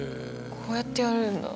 こうやってやるんだ。